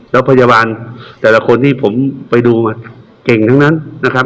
แล้วพยาบาลแต่ละคนที่ผมไปดูเก่งทั้งนั้นนะครับ